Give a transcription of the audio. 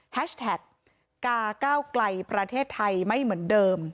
แท็กกาก้าวไกลประเทศไทยไม่เหมือนเดิม